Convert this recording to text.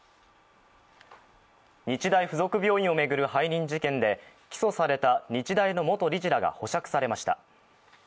日大附属病院を巡る背任事件で起訴された日大の元理事らが保釈されました。